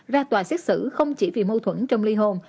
ra tòa xét xử không chỉ vì mâu thuẫn trong ly hôn